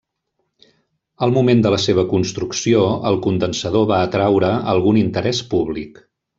Al moment de la seva construcció, el condensador va atreure algun interès públic.